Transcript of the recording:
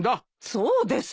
そうですよ。